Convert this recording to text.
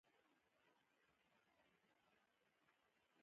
روژه د جسم او روح لپاره برکت لري.